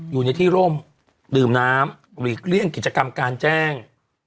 อยู่ในที่ร่มดื่มน้ำหลีกเลี่ยงกิจกรรมการแจ้ง